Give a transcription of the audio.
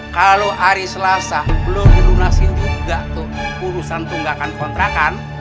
kalau hari selasa belum dilunasin juga tuh urusan tunggakan kontrakan